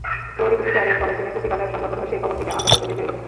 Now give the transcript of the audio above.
ত্বরিত বিচারের ফলে চীনের পুঁজিবাজার সম্ভাব্য ধসের কবল থেকে আপাতত বেঁচে গেল।